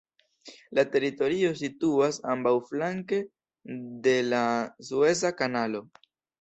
La teritorio situas ambaŭflanke de la Sueza Kanalo.